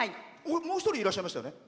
もう一人いらっしゃいましたよね。